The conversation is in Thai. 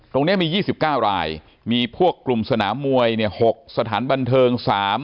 ตรงนี้มี๒๙รายมีพวกกลุ่มสนามมวย๖สถานบันเทิง๓